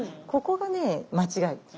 ここがね間違い。